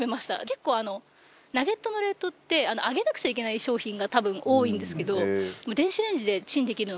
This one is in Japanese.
結構ナゲットの冷凍って揚げなくちゃいけない商品が多分多いんですけど。